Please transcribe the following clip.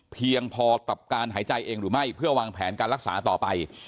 เพียงพอกับการหายใจเองหรือไม่เพื่อวางแผนการรักษาต่อไป